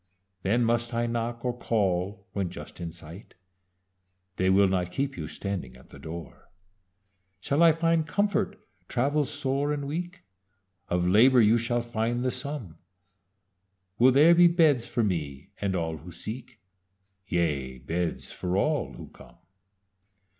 Then must I knock, or call when just in sight? They will not keep you standing at the door. "Shall I find comfort, travel sore and weak? Of labor you shall find the sum. Will there be beds for me and all who seek? Yea, beds for all who come.